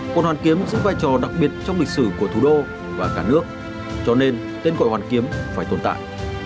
quận hoàn kiếm giữ vai trò đặc biệt trong lịch sử của thủ đô và cả nước cho nên tên gọi hoàn kiếm phải tồn tại